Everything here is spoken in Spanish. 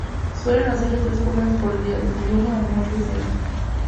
Suelen hacerse tres comidas por día: desayuno, almuerzo y cena.